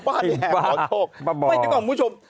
ไม่ด้วยกับผู้ชม